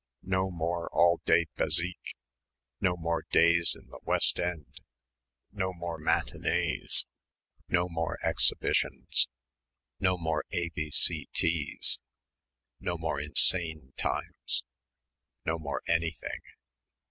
"No more all day bézique.... No more days in the West End.... No more matinées ... no more exhibitions ... no more A.B.C. teas ... no more insane times ... no more anything."